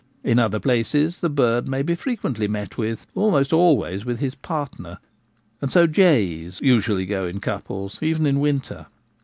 In other places the bird may be frequently met with, almost always with his partner ; and so jays usually go in couples, even in winter.